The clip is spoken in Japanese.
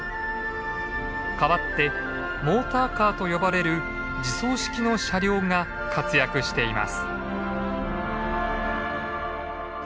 代わってモーターカーと呼ばれる自走式の車両が活躍しています。